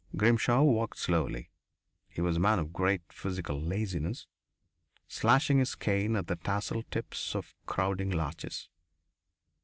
Grimshaw walked slowly he was a man of great physical laziness slashing his cane at the tasselled tips of the crowding larches.